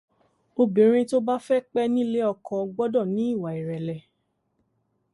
Obìnrin tó bá fẹ́ pẹ́ níleẹ ọkọ gbọ́dọ̀ ní ìwà ìrẹ̀lẹ̀.